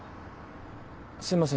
すいません